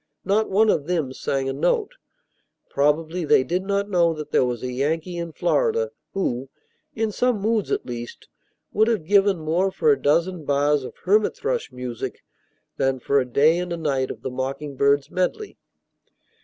Not one of them sang a note. Probably they did not know that there was a Yankee in Florida who in some moods, at least would have given more for a dozen bars of hermit thrush music than for a day and a night of the mocking bird's medley.